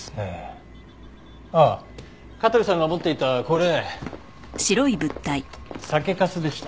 ああ香取さんが持っていたこれ酒粕でした。